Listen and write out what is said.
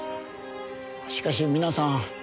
しかし皆さん